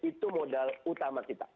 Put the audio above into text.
itu modal utama kita